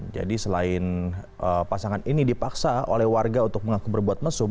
jadi selain pasangan ini dipaksa oleh warga untuk berbuat mesum